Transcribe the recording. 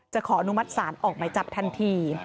ขออนุมัติศาลออกหมายจับทันที